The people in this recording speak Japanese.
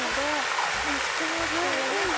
しかも隙間あってやりやすい。